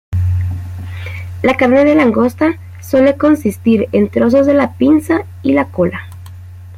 La carne de langosta suele consistir en trozos de la pinza y la cola.